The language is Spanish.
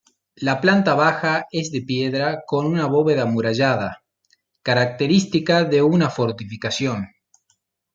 La planta baja es de piedra con una bóveda amurallada, característica de una fortificación.